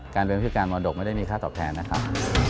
เรียนผู้การมรดกไม่ได้มีค่าตอบแทนนะครับ